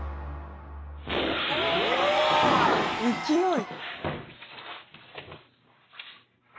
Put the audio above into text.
勢い。